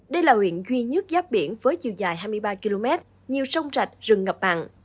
đây là huyện duy nhất giáp biển với chiều dài hai mươi ba km nhiều sông rạch rừng ngập mặn